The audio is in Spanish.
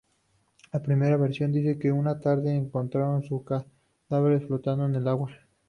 La primera versión dice que una tarde encontraron sus cadáveres flotando en el agua.